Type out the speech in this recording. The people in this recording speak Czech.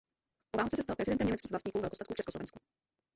Po válce se stal prezidentem německých vlastníků velkostatků v československu.